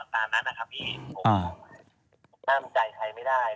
ตามนั้นนะครับพี่ผมห้ามใจใครไม่ได้